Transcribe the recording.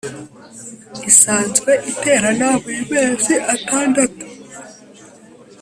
isanzwe iterana buri mezi atandatu